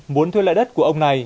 muốn thuê lại đất của ông này